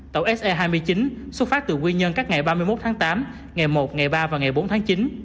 tàu se hai mươi chín xuất phát từ nguyên nhân các ngày ba mươi một tháng tám ngày một ngày ba và ngày bốn tháng chín